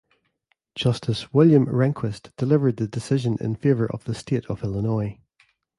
Justice William Rehnquist delivered the decision in favor of the State of Illinois.